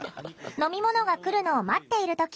飲み物が来るのを待っている時